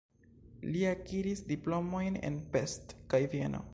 Li akiris diplomojn en Pest kaj Vieno.